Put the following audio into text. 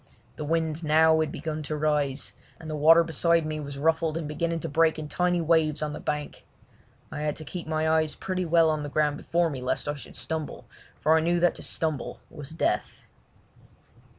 The wind had now begun to rise, and the water beside me was ruffled and beginning to break in tiny waves on the bank. I had to keep my eyes pretty well on the ground before me, lest I should stumble, for I knew that to stumble was death.